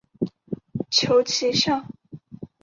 求其上